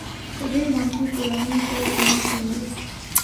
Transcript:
په دې بانکي کورنۍ ځای جینوس ونیوه.